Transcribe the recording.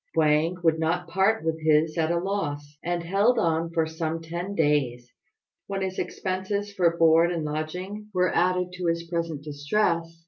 Wang would not part with his at a loss, and held on for some ten days, when his expenses for board and lodging were added to his present distress.